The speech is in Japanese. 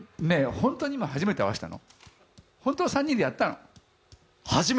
ホントに今初めて合わせたの？